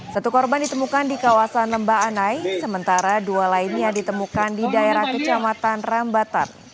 satu korban ditemukan di kawasan lemba anai sementara dua lainnya ditemukan di daerah kecamatan rambatan